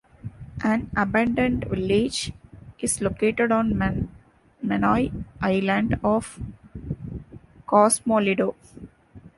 An abandoned village is located on Menai Island of Cosmoledo.